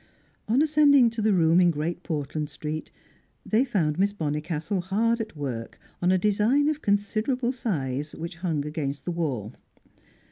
On ascending to the room in Great Portland Street, they found Miss Bonnicastle hard at work on a design of considerable size, which hung against the wall.